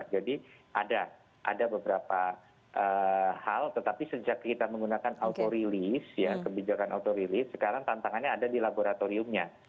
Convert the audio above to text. jadi ada ada beberapa hal tetapi sejak kita menggunakan auto release kebijakan auto release sekarang tantangannya ada di laboratoriumnya